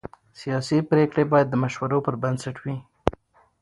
سیاسي پرېکړې باید د مشورو پر بنسټ وي